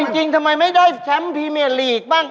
จริงทำไมไม่ได้แชมป์พรีเมียลีกบ้าง